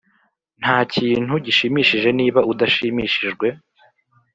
ntakintu gishimishije niba udashimishijwe